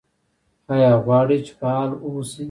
ایا غواړئ چې فعال اوسئ؟